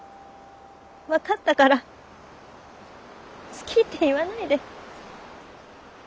分かったから「好き」って言わないで。